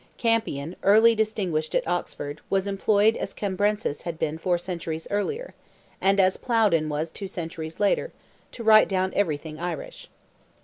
Campian, early distinguished at Oxford, was employed as Cambrensis had been four centuries earlier, and as Plowden was two centuries later, to write down everything Irish.